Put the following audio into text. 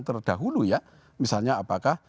terdahulu ya misalnya apakah